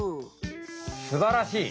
すばらしい！